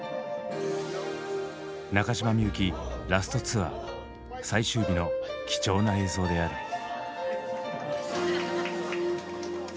中島みゆきラスト・ツアー最終日の貴重な映像である。